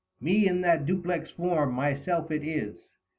Me, in that duplex form ; myself it is.